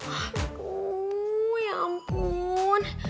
aduh ya ampun